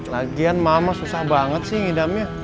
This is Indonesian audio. lagian mama susah banget sih ngidamnya